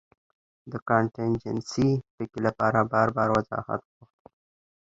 د کانټېنجنسي ټکي له پاره بار بار وضاحت غوښتۀ